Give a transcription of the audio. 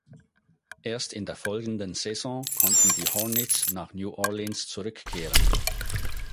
Erst in der folgenden Saison konnten die Hornets nach New Orleans zurückkehren.